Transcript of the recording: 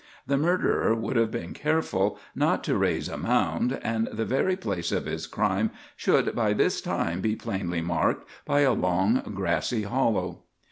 The murderer would have been careful not to raise a mound, and the very place of his crime should by this time be plainly marked by a long grassy hollow.